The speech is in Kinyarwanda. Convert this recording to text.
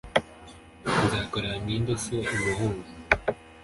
nzakorera ni nde si umuhungu